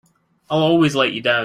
I'll always let you down!